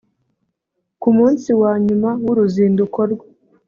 Ku munsi wa nyuma w’uruzinduko rwe